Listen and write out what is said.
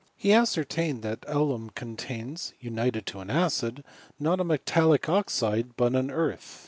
He ascertained Uiat alum contains, united to an acid, not a metallic oxide, but an earth.